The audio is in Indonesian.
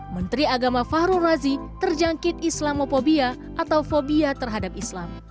menteri agama fahrul razi terjangkit islamophobia atau fobia terhadap islam